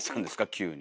急に。